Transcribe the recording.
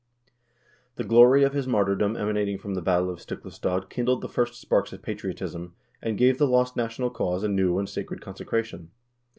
The glory of his martyrdom emanating from the battlefield of Stiklestad kindled the first sparks of patriotism, and gave the lost national cause a new and sacred consecration.